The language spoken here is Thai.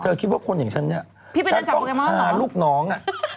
คิดว่าคนอย่างฉันเนี่ยฉันต้องพาลูกน้อง